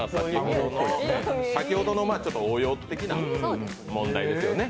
先ほどの応用的な問題ですよね。